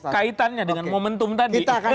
nah itu kaitannya dengan momentum tadi